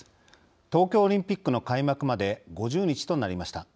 東京オリンピックの開幕まで５０日となりました。